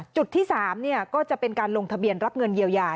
จุดที่๓ก็จะเป็นการลงทะเบียนรับเงินเยียวยา